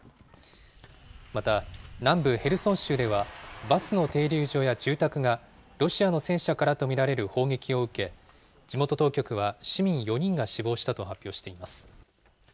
また、南部ヘルソン州では、バスの停留所や住宅がロシアの戦車からと見られる砲撃を受け、地元当局は市民４人が死亡したと発表しています。